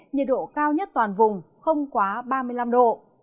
nhiệt độ cao nhất toàn vùng không quá ba mươi năm độ